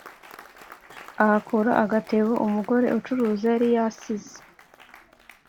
Ahakura agatebo umugore ucuruza yariyasize